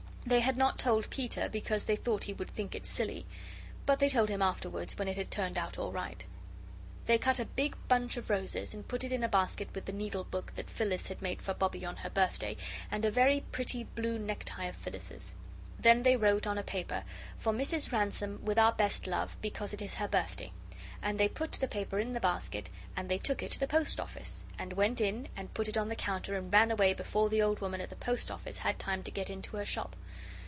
They had not told Peter because they thought he would think it silly. But they told him afterwards, when it had turned out all right. They cut a big bunch of roses, and put it in a basket with the needle book that Phyllis had made for Bobbie on her birthday, and a very pretty blue necktie of Phyllis's. Then they wrote on a paper: 'For Mrs. Ransome, with our best love, because it is her birthday,' and they put the paper in the basket, and they took it to the Post office, and went in and put it on the counter and ran away before the old woman at the Post office had time to get into her shop.